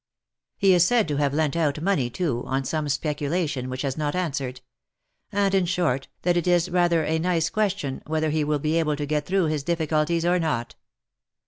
He is said to have lent out money, too, on some speculation which has not answered : and, in short, that it is rather a nice question, whether he will be able to get through his difficulties or not.